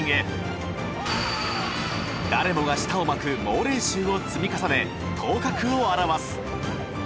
誰もが舌を巻く猛練習を積み重ね頭角を現す。